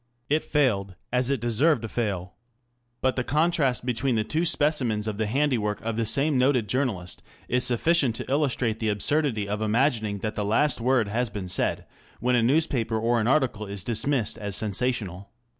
It failed, as it deserved to fail. But the contrast between the two specimens of the handiwork of the same noted journalist is sufficient to illustrate the absurdity of imagining that the last word has been said when a newspaper or an article is dismissed as sensational.